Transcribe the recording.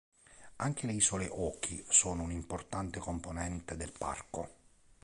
Anche le isole Oki sono un'importante componente del parco.